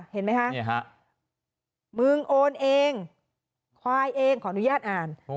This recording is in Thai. เห็นไหมคะมึงโอนเองควายเองขออนุญาตอ่าน